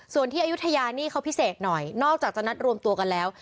ส่วนที่อายุทยานี่เขาพิเศษหน่อยนอกจากจะนัดรวมตัวกันแล้ว